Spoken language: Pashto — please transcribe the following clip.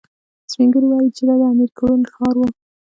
سپين ږيرو ويل چې دا د امير کروړ ښار و.